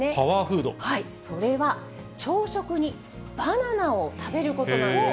それは朝食にバナナを食べることなんです。